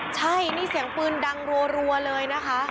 ใช่นี้เสียงปืนดังรัวรัวเลย